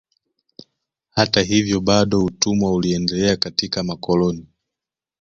Hata hivyo bado utumwa uliendelea katika makoloni